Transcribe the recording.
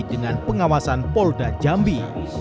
dengan pengawasan polda jambi